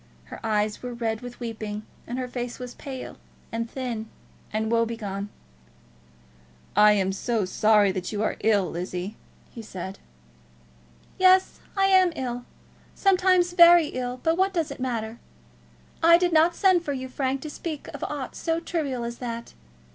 Her eyes were red with weeping, and her face was pale, and thin, and woe begone. "I am so sorry that you are ill, Lizzie," he said. "Yes, I am ill; sometimes very ill; but what does it matter? I did not send for you, Frank, to speak of aught so trivial as that.